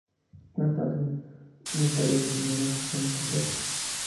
No obstante, no fue hallada ninguna cabaña completa.